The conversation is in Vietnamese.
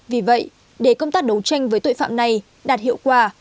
vì vậy để công tác đấu tranh với tội phạm này đạt hiệu quả